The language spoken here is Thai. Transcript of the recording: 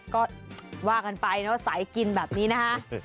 ก็ว่ากันไปเนอะสายกินแบบนี้นะคะ